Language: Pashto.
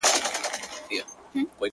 • د اور د پاسه اور دی سره ورک نه سو جانانه,